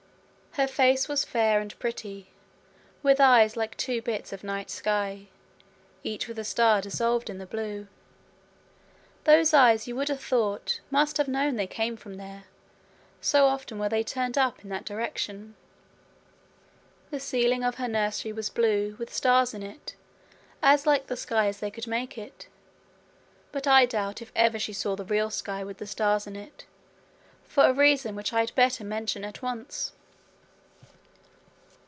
Her face was fair and pretty, with eyes like two bits of night sky, each with a star dissolved in the blue. Those eyes you would have thought must have known they came from there, so often were they turned up in that direction. The ceiling of her nursery was blue, with stars in it, as like the sky as they could make it. But I doubt if ever she saw the real sky with the stars in it, for a reason which I had better mention at once.